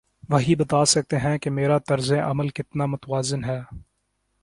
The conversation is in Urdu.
وہی بتا سکتے ہیں کہ میرا طرز عمل کتنا متوازن ہے۔